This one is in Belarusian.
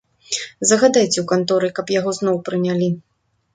Загадайце ў канторы, каб яго зноў прынялі.